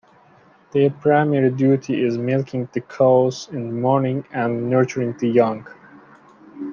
Their primary duty is milking the cows in the morning and nurturing the young.